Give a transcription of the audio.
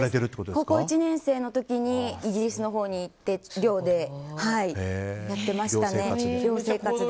高校１年生の時にイギリスのほうに行って行動力ありますよね。